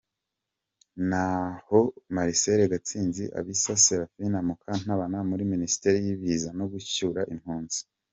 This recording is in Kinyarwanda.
Naho Marcel Gatsinzi abisa Serafina Mukantabana muri minisiteri y’ibiza no gucyura impunzi.